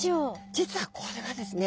実はこれはですね